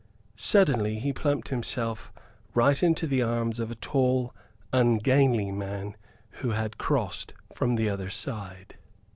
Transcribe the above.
Suddenly he plumped himself right into the arms of a tall, ungainly man, who had crossed from the other side.